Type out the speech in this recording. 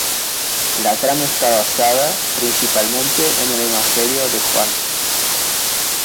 La trama está basada principalmente en el Evangelio de Juan.